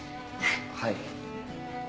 はい。